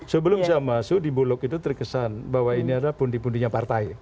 sebelum saya masuk di bulog itu terkesan bahwa ini adalah pundi pundinya partai